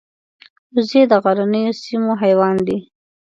وزې د غرنیو سیمو حیوان دي